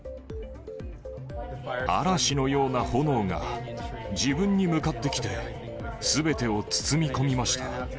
嵐のような炎が自分に向かってきて、すべてを包み込みました。